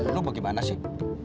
lu bagaimana sih